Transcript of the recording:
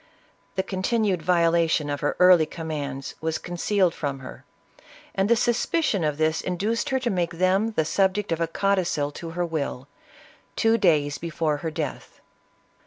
The con tinued violation of her early commands, was concealed from her, and the suspicion of this induced her to make ISABELLA OF GA8TILK. 135 them the subject of a codicil to her will, two days be fore her death.